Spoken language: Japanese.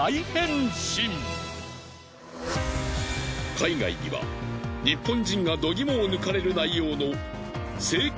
海外には日本人が度肝を抜かれる内容の整形